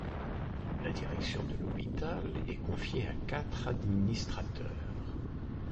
La direction de l’hôpital est confiée à quatre administrateurs.